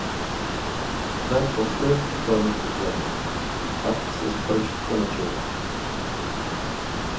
Най-после той ме погледна, пак с бръчката на челото.